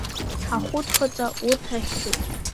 Ахәыдхаҵа урҭ ахьчоит…